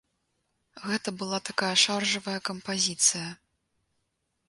Гэта была такая шаржавая кампазіцыя.